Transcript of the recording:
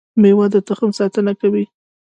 مېوه د تخم ساتنه کوي